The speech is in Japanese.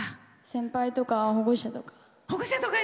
先輩とか保護者とか。